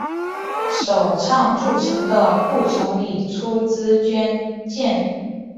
首倡筑城的顾从礼出资捐建。